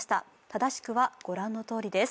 正しくは御覧のとおりです。